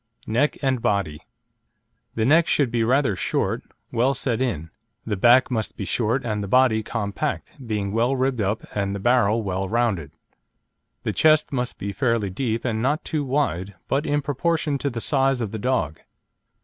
NECK AND BODY The neck should be rather short, well set in. The back must be short and the body compact, being well ribbed up and the barrel well rounded. The chest must be fairly deep and not too wide, but in proportion to the size of the dog.